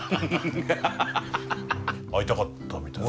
会いたかったみたいな。